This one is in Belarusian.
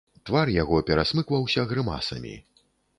Твар яго перасмыкваўся грымасамі.